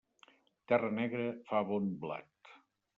Terra negra fa bon blat.